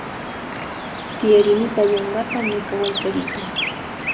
Tiyarini pallankapa ñuka wallkariyta.